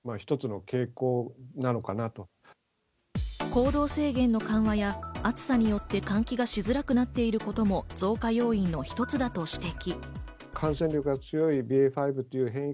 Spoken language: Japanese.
行動制限の緩和や、暑さによって換気がしづらくなっていることも増加要因の一つだと指摘。